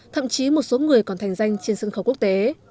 thậm chí một số người còn thành danh trên sân khấu quốc tế